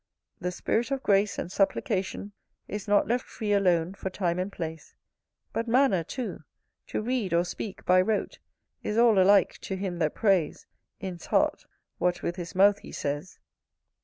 The spirit of grace And supplication Is not left free alone For time and place, But manner too: to read, or speak, by rote, Is all alike to him that prays, In's heart, what with his mouth he says.